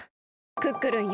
クックルンよ。